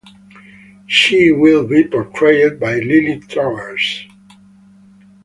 She will be portrayed by Lily Travers.